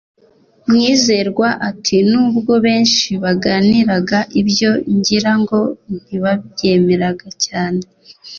Mwizerwa ati: “N’ubwo benshi baganiraga ibyo, ngira ngo ntibabyemeraga cyane